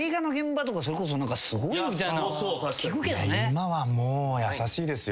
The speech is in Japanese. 今はもう優しいですよ。